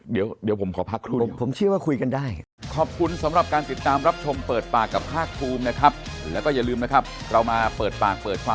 เดี๋ยวผมขอพักครูเดี๋ยว